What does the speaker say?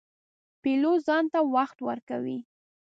پیلوټ ځان ته وخت ورکوي.